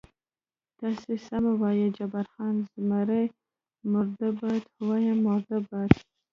تاسې سمه وایئ، جبار خان: زمري مرده باد، وایم مرده باد.